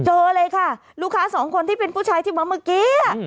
เจอเลยค่ะลูกค้าสองคนที่เป็นผู้ชายที่มาเมื่อกี้